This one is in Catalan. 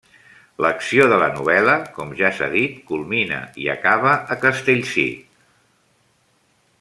L'acció de la novel·la, com ja s'ha dit, culmina i acaba a Castellcir.